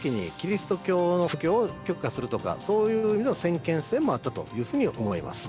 キリスト教の布教を許可するとかそういう意味の先見性もあったというふうに思います。